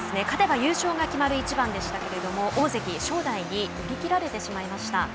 勝てば優勝が決まる一番でしたけれども大関・正代に寄り切られてしまいました。